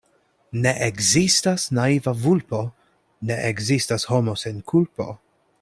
Ne ekzistas naiva vulpo, ne ekzistas homo sen kulpo.